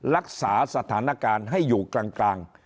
รักษาสถานการณ์ให้อยู่กลาง